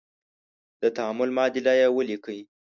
د تعامل معادله یې ولیکئ.